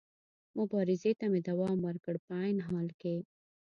مبارزې ته مې دوام ورکړ، په عین حال کې.